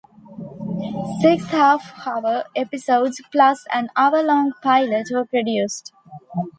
Six half-hour episodes plus an hour-long pilot were produced.